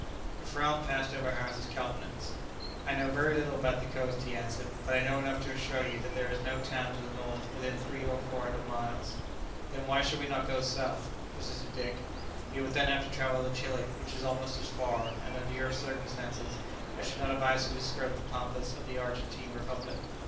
A frown passed over Harris's countenance. "I know very little about the coast," he answered; "but I know enough to assure you that there is no town to the north within 300 or 400 miles." "Then why should we not go south?" persisted Dick. "You would then have to travel to Chili, which is almost as far; and, under your circumstances, I should not advise you to skirt the pampas of the Argentine Republic.